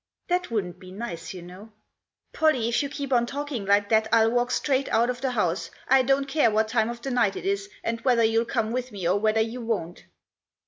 " That wouldn't be nice, you know." "Pollie, if you keep on talking like that I'll walk straight out of the house, I don't care what time of the night it is, and whether you'll come with me or whether you won't."